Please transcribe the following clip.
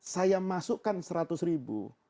saya masukkan seratus ribu